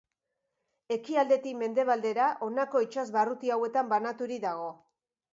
Ekialdetik mendebaldera honako itsas barruti hauetan banaturik dago.